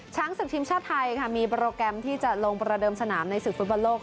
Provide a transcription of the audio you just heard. ศึกทีมชาติไทยค่ะมีโปรแกรมที่จะลงประเดิมสนามในศึกฟุตบอลโลก